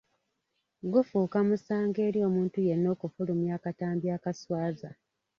Gufuuka musango eri omuntu yenna okufulumya akatambi akaswaza.